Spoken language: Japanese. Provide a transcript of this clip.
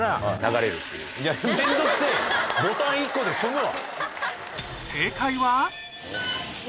ボタン１個で済むわ！